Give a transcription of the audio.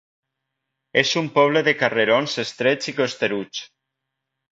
És un poble de carrerons estrets i costeruts.